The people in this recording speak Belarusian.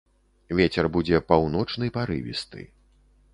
Вецер будзе паўночны парывісты.